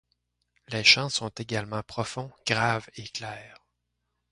Les chants sont également profonds, graves et clairs.